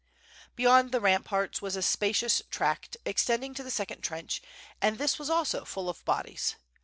Beyond the ramparts was a spacious tract, extending to the second trench, and this was also full of bodies.